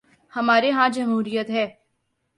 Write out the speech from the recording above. ہمارے ہاں جمہوریت ہے۔